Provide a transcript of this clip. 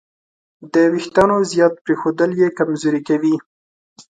د وېښتیانو زیات پرېښودل یې کمزوري کوي.